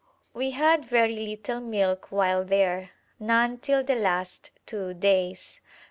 We had very little milk while there; none till the last two days.